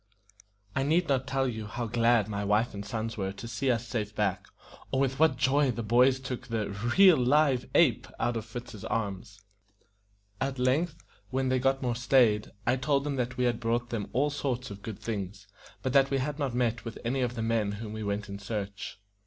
I need not tell you how glad my wife and sons were to see us safe back, or with what joy the boys took the "real live ape" out of Fritz's arms. At length, when they got more staid, I told them that we had brought them all sorts of good things, but that we had not met with any of the men of whom we went in search.